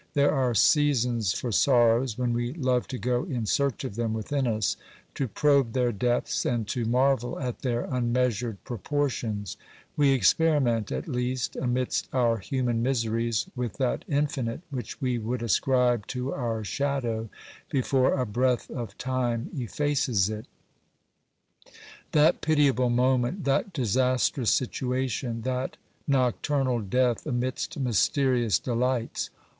There are seasons for sorrows, when we love to go in search of them within us, to probe their depths and to marvel at their unmeasured proportions ; we experiment, at least, amidst our human miseries, with that infinite which we would ascribe to our shadow before a breath of time effaces it. OBERMANN 63 That pitiable moment, that disastrous situation, that nocturnal death amidst mysterious delights